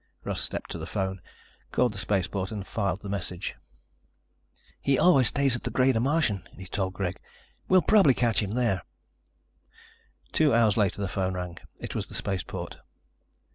Russ stepped to the phone, called the spaceport and filed the message. "He always stays at the Greater Martian," he told Greg. "We'll probably catch him there." Two hours later the phone rang. It was the spaceport.